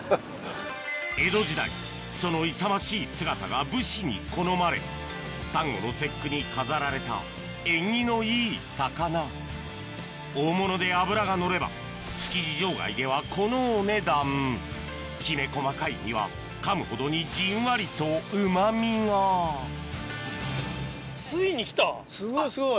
江戸時代その勇ましい姿が武士に好まれ端午の節句に飾られた縁起のいい魚大物で脂がのれば築地場外ではこのお値段きめ細かい身はかむほどにじんわりとうまみがすごいすごい。